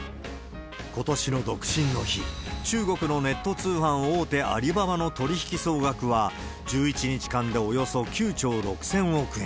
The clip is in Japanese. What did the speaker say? ことしの独身の日、中国のネット通販大手、アリババの取り引き総額は、１１日間でおよそ９兆６０００億円。